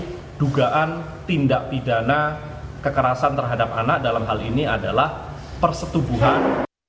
jadi dugaan tindak pidana kekerasan terhadap anak dalam hal ini adalah persetubuhan